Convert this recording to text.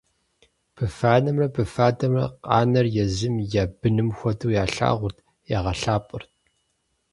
Быфанэмрэ быфадэмрэ къаныр езым я быным хуэдэу ялъагъурт, ягъэлъапӏэрт.